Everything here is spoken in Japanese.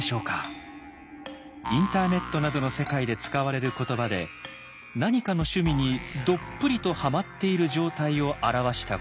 インターネットなどの世界で使われる言葉で何かの趣味にどっぷりとはまっている状態を表した言葉です。